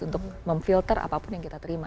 untuk memfilter apapun yang kita terima